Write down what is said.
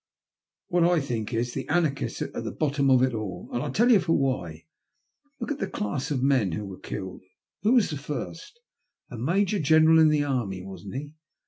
''Well, what I think is that the Anarchists are at the bottom 116 THE LUST OP HATE. of it all, and I'll tell you for why. Look at the class of men who were killed. Who was the first ? A Major General in the army, wasn't he?